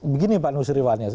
begini pak nusriwannya